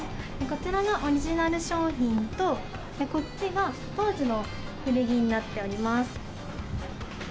こちらのオリジナル商品と、こっちが当時の古着になっております。